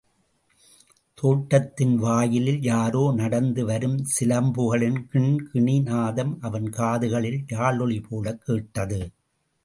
தோட்டத்தின் வாயிலில் யாரோ நடந்து வரும் சிலம்புகளின் கிண்கிணி நாதம் அவன் காதுகளில் யாழொலி போலக் கேட்டது.